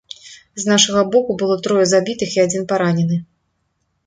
З нашага боку было трое забітых і адзін паранены.